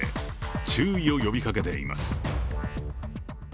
注意を呼びかけています。